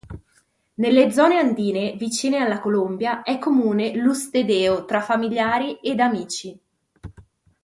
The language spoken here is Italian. Nelle zone andine vicine alla Colombia è comune l'"ustedeo" tra familiari ed amici.